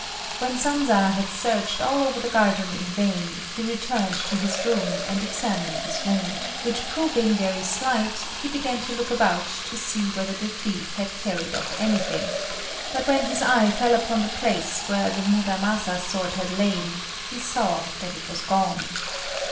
When Sanza had searched all over the garden in vain, he returned to his room and examined his wound, which proving very slight, he began to look about to see whether the thief had carried off anything; but when his eye fell upon the place where the Muramasa sword had lain, he saw that it was gone.